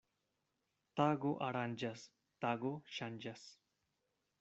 Tago aranĝas, tago ŝanĝas.